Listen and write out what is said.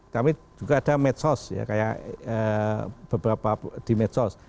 kami juga ada medsos ya kayak beberapa di medsos